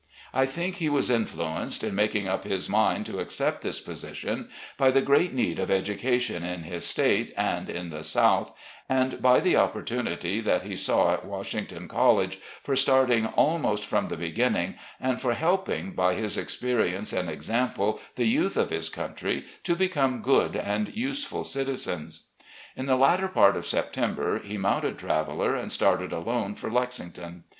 I think he was influenced, in making up his mind to accept this position, by the great need of education in his State and in the South, and by the opportunity that he saw at Washington College for starting almost from the beginning, and for helping, by his experience and example, the youth of his country to become good and useful citizens. In the latter part of September, he moimted Traveller and started alone for Lexington.